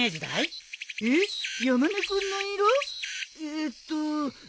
えーっと。